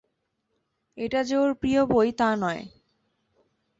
এটা যে ওর প্রিয় বই তা নয়।